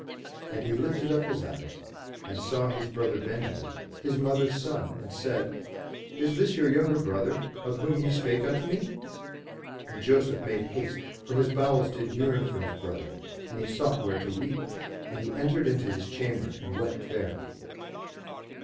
And he lifted up his eyes, and saw his brother Benjamin, his mother's son, and said, '* Is this your younger brother, of whom ye spake unto me?" And Joseph made haste for his bowels did yearn upon his brother: and he sought where to weep; and he entered into his chamber and wept there.